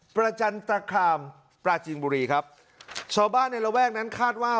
ประจันตคามปลาจีนบุรีครับชาวบ้านในระแวกนั้นคาดว่า